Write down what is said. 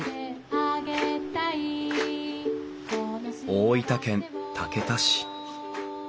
大分県竹田市。